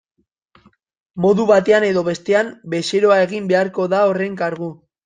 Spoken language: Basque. Modu batean edo bestean, bezeroa egin beharko da horren kargu.